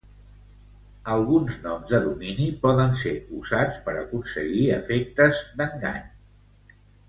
Alguns noms de domini poden ser usats per aconseguir efectes d'engany.